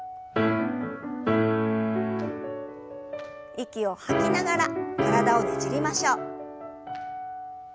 息を吐きながら体をねじりましょう。